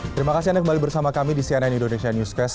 terima kasih anda kembali bersama kami di cnn indonesia newscast